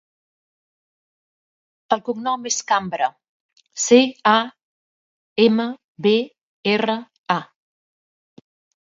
El cognom és Cambra: ce, a, ema, be, erra, a.